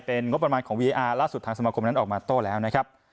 เป็นงบประมาณของวีอาร์ล่าสุดทางสมาคมนั้นออกมาโต้แล้วนะครับ